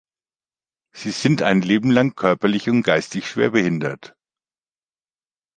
Sie sind ein Leben lang körperlich und geistig schwerbehindert.